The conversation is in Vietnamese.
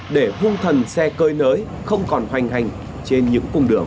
để hung thần xe cơi nới không còn hoành hành trên những cung đường